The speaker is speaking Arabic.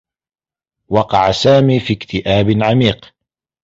وقع سامي في اكتئاب عميق.